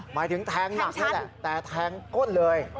หมายถึงแทงหนักนี่แหละแต่แทงก้นเลย